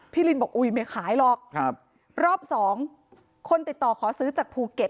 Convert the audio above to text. ลินบอกอุ้ยไม่ขายหรอกครับรอบสองคนติดต่อขอซื้อจากภูเก็ต